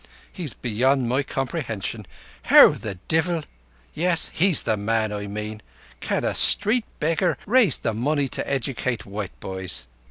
He's beyond my comprehension. How the Divil—yes, he's the man I mean—can a street beggar raise money to educate white boys?"